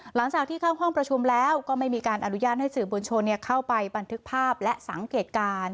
หลังจากที่เข้าห้องประชุมแล้วก็ไม่มีการอนุญาตให้สื่อมวลชนเข้าไปบันทึกภาพและสังเกตการณ์